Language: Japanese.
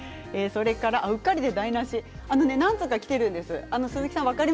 うっかりで台なし何通かきているんです。